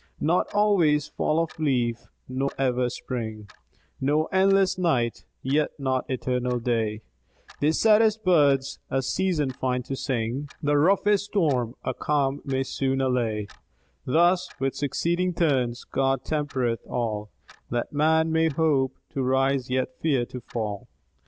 Not always fall of leaf, nor ever spring, No endless night, yet not eternal day ; The saddest birds a season find to sing, The roughest storm a calm may soon allay : Thus, with succeeding turns, God tempereth all, That man may hope to rise, yet fear to fall.